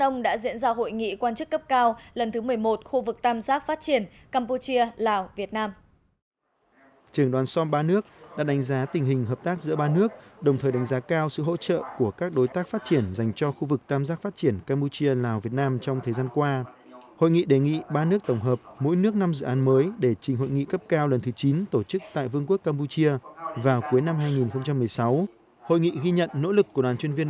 ngày một một mươi một tại tỉnh đắk đông đã diễn ra hội nghị quan chức cấp cao lần thứ một mươi một khu vực tam giác phát triển